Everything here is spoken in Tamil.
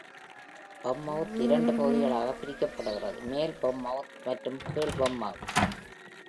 Bummouth இரண்டு பகுதிகளாக பிரிக்கப்படுகிறது: மேல் Bummouth மற்றும் கீழ் Bummouth.